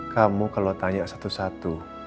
kamu kalau tanya satu satu